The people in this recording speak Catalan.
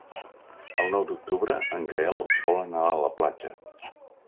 El nou d'octubre en Gaël vol anar a la platja.